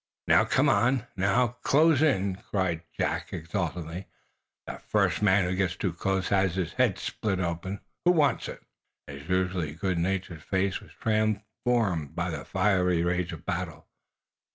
"Now, come on! Now, close in!" cried Jack Benson, exulting. "The first man who gets too close has his head split open! Who wants it?" His usually, good humored face was transformed by the fiery rage of battle.